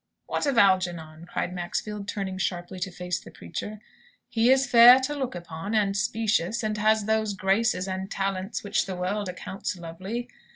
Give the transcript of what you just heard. "What of Algernon?" cried Maxfield, turning sharply to face the preacher. "He is fair to look upon, and specious, and has those graces and talents which the world accounts lovely.